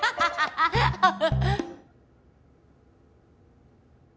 アハハハ！